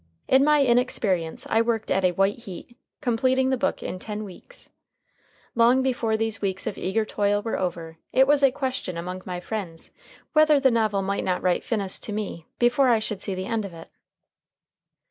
In my inexperience I worked at a white heat, completing the book in ten weeks. Long before these weeks of eager toil were over, it was a question among my friends whether the novel might not write finis to me before I should see the end of it.